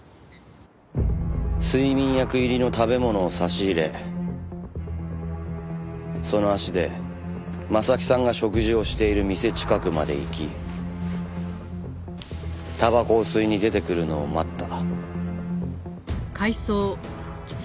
睡眠薬入りの食べ物を差し入れその足で征木さんが食事をしている店近くまで行きたばこを吸いに出てくるのを待った。